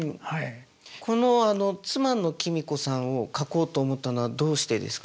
この妻の君子さんを描こうと思ったのはどうしてですか？